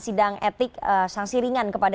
sidang etik sanksi ringan kepada